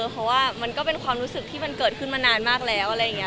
เพราะว่ามันก็เป็นความรู้สึกที่มันเกิดขึ้นมานานมากแล้วอะไรอย่างนี้